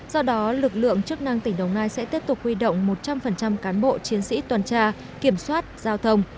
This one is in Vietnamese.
do đó lực lượng chức năng tỉnh đồng nai sẽ tiếp tục huy động một trăm linh cán bộ chiến sĩ toàn tra kiểm soát giao thông